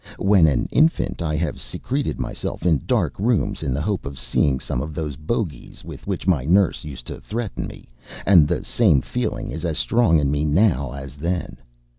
When an infant I have secreted myself in dark rooms in the hope of seeing some of those bogies with which my nurse used to threaten me; and the same feeling is as strong in me now as then.